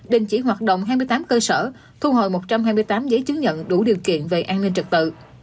đình chỉ hoạt động hai mươi tám cơ sở thu hồi một trăm hai mươi tám giấy chứng nhận đủ điều kiện về an ninh trật tự